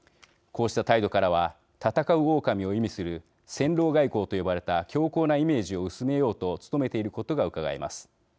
こうした態度からは戦うおおかみを意味する戦狼外交と呼ばれた強硬なイメージを薄めようと努めていることがうかがえます。